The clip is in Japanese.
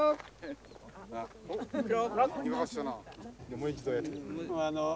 もう一度やってみて。